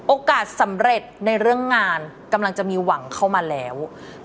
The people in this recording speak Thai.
โอกาสสำเร็จในเรื่องงานกำลังจะมีหวังเข้ามาแล้ว